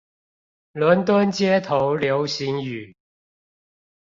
倫敦街頭流行語